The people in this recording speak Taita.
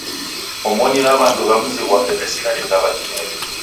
Omoni na w'andu w'a mzi ghwape w'esigharika w'atineri.